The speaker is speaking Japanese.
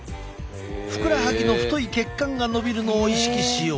ふくらはぎの太い血管が伸びるのを意識しよう。